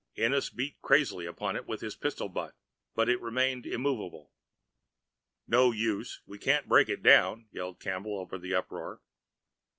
Ennis beat crazily upon it with his pistol butt, but it remained immovable. "No use we can't break that down!" yelled Campbell, over the uproar.